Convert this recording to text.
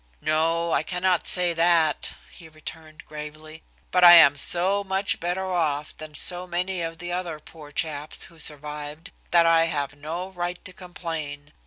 "No, I cannot say that," he returned gravely, "but I am so much better off than so many of the other poor chaps who survived, that I have no right to complain.